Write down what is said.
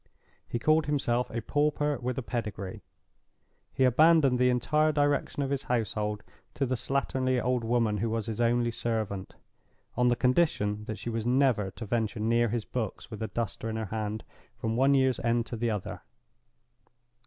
He called himself a pauper with a pedigree. He abandoned the entire direction of his household to the slatternly old woman who was his only servant, on the condition that she was never to venture near his books, with a duster in her hand, from one year's end to the other.